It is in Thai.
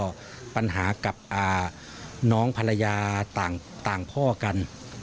ก็ปัญหากับน้องภรรยาต่างพ่อกัน